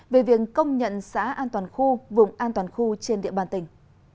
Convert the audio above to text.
về việc công nhận xã an toàn khu vùng an toàn khu trên địa bàn tỉnh